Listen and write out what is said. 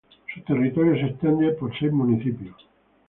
Su territorio se extiende por seis municipios.